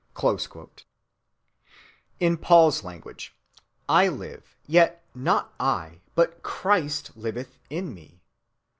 (267) In Paul's language, I live, yet not I, but Christ liveth in me.